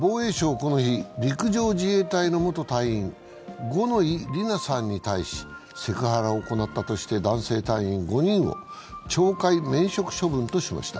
この日、陸上自衛隊の元隊員五ノ井里奈さんに対しセクハラを行ったとして男性隊員５人を懲戒免職処分としました。